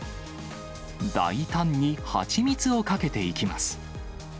大胆に蜂蜜をかけていきます。